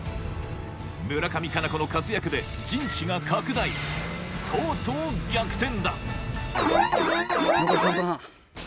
村上佳菜子の活躍で陣地が拡大とうとう残り３分半。